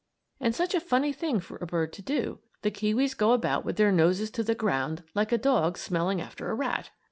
And such a funny thing for a bird to do, the kiwis go about with their noses to the ground like a dog smelling after a rat.